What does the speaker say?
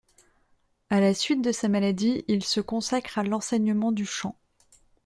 À la suite de sa maladie, il se consacre à l'enseignement du chant.